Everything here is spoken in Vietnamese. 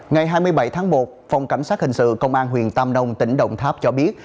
ngày hai mươi bảy tháng một phòng cảnh sát hình sự công an huyện tam đông tỉnh đồng tháp cho biết